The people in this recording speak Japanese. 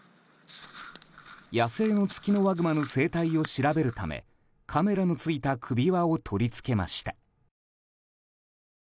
野生のツキノワグマの生態を調べるためカメラのついた首輪を取り付けました。